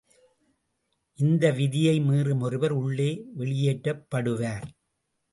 இந்த விதியை மீறும் ஒருவர் உள்ளே வெளியேற்றப்படுவார்.